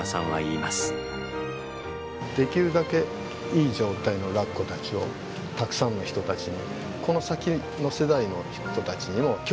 できるだけいい状態のラッコたちをたくさんの人たちにこの先の世代の人たちにも興味を持って頂きたい。